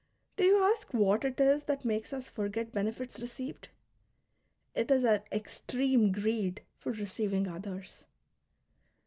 Do you ask what it is that makes us forget benefits received ? It is our extreme greed for receiving others.